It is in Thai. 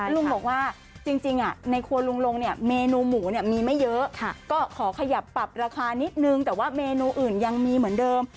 ลุงบอกว่าจริงในครัวลุงลงเนี่ยเมนูหมูเนี่ยมีไม่เยอะก็ขอขยับปรับราคานิดนึงแต่ว่าเมนูอื่นยังมีเหมือนเดิม